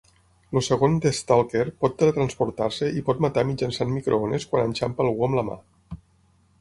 El segon Death-Stalker pot teletransportar-se i pot matar mitjançant microones quan enxampa algú amb la mà.